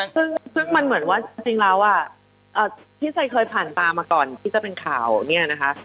ซึ่งมันเหมือนว่าจริงแล้วที่ใจเคยผ่านตามาก่อนที่จะเป็นข่าวเนี่ยนะคะ